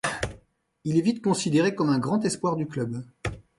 Il est vite considéré comme un grand espoir du club.